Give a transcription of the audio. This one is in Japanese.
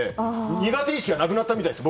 苦手意識がなくなったみたいです。